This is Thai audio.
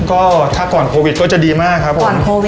ก็ถ้าก่อนโควิดก็จะดีมากครับผม